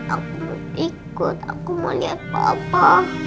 aku mau ikut aku mau liat papa